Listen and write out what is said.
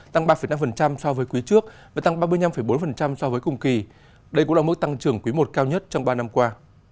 tăng ba năm so với quý trước và tăng ba mươi năm bốn so với cùng kỳ đây cũng là mức tăng trưởng quý i cao nhất trong ba năm qua